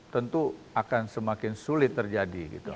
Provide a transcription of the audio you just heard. tentu akan semakin sulit terjadi gitu